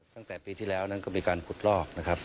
ตั้งแต่ปีที่แล้วนั้นก็มีการขุดลอกนะครับ